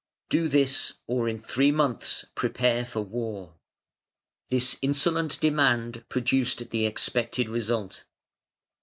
Do this, or in three months prepare for war". This insolent demand produced the expected result.